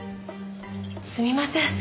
すみません。